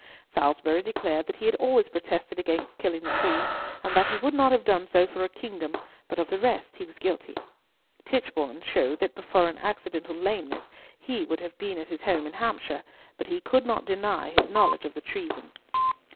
Salisbury declared that he had always protested against killing the Queen, and that he would not have done so for a kingdom, but of the rest he was guilty. Tichborne showed that but for an accidental lameness he would have been at his home in Hampshire, but he could not deny his knowledge of the treason.